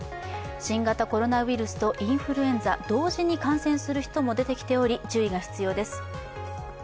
新型コロナウイルスとインフルエンザ同時に感染する人も出てきており、注意が必要です。